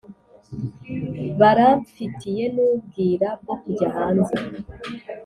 baramfitiye n’ubwira bwo kujya hanze